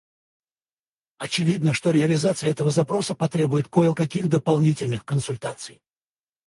Очевидно, что реализация этого запроса потребует кое-каких дополнительных консультаций.